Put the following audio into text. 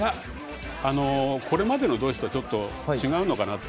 これまでのドイツとはちょっと違うのかなと。